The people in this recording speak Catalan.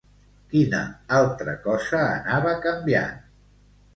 Quina altra cosa anava canviant?